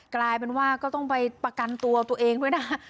กลายเป็นว่าก็ต้องไปประกันตัวตัวเองด้วยนะ